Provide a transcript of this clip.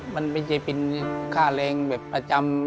มันไม่ใช่เป็นค่าแรงแบบประจำ